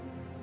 aku mau makan